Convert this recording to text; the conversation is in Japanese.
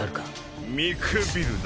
見くびるな。